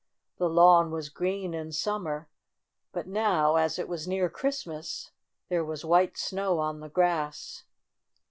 The lawn was green in summer, but now, as it was near Christmas, there was white snow on the grass.